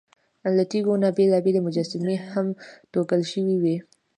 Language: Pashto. له تیږو نه بېلابېلې مجسمې هم توږل شوې وې.